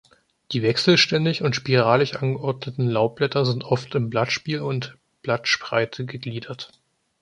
Die wechselständig und spiralig angeordneten Laubblätter sind oft in Blattstiel und Blattspreite gegliedert.